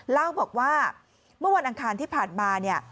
เล่าบอกว่าเมื่อวันอังคารที่ผ่านมาเนี่ย